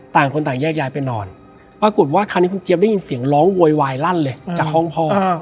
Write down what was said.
ต่างคนต่างแยกย้ายไปนอนปรากฏว่าคราวนี้คุณเจี๊ยบได้ยินเสียงร้องโวยวายลั่นเลยจากห้องพ่อ